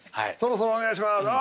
「そろそろお願いします」